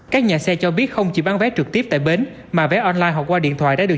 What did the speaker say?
các nhà xe cho biết không chỉ bán vé trực tiếp tại bến mà vé online hoặc qua điện thoại đã được